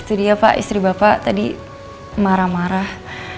itu dia pak istri bapak tadi marah marah